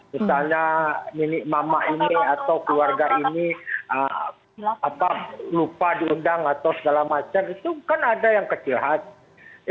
misalnya milik mama ini atau keluarga ini lupa diundang atau segala macam itu kan ada yang kecil hati